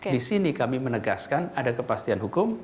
di sini kami menegaskan ada kepastian hukum